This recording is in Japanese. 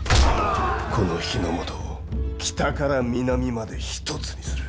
この日ノ本を北から南まで一つにする。